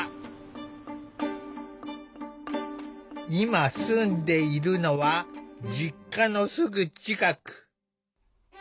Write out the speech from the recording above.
今住んでいるのは実家のすぐ近く。